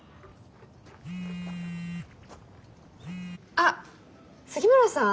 あっ杉村さん？